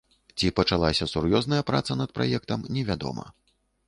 Ці пачалася сур'ёзная праца над праектам, невядома.